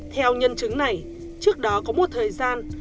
theo nhân chứng này trước đó có một thời gian